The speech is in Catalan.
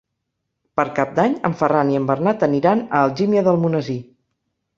Per Cap d'Any en Ferran i en Bernat aniran a Algímia d'Almonesir.